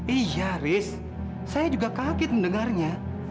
iya rich saya juga kaget mendengarnya